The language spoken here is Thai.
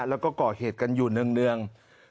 แล้วก็เกาะเหตุกันอยู่เนื่องเนื่อง